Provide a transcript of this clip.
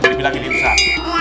lebih lagi imsan